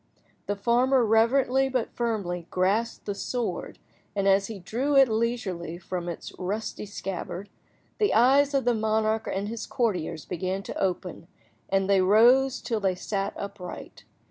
The farmer reverently but firmly grasped the sword, and as he drew it leisurely from its rusty scabbard, the eyes of the monarch and his courtiers began to open, and they rose till they sat upright.